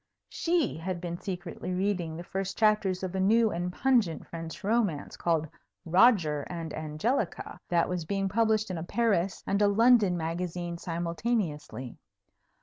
She had been secretly reading the first chapters of a new and pungent French romance, called "Roger and Angelica," that was being published in a Paris and a London magazine simultaneously.